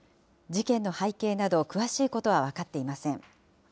事件の背景など詳しいことは分かっていません。